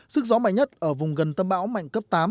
sức gió mạnh nhất ở vùng gần tâm bão mạnh cấp tám